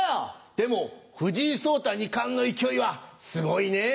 でも藤井聡太２冠の勢いはすごいね。